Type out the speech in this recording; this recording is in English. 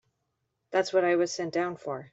That's what I was sent down for.